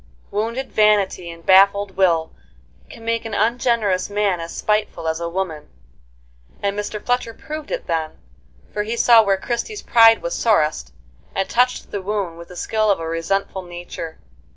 Wounded vanity and baffled will can make an ungenerous man as spiteful as a woman; and Mr. Fletcher proved it then, for he saw where Christie's pride was sorest, and touched the wound with the skill of a resentful nature.